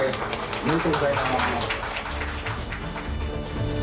おめでとうございます！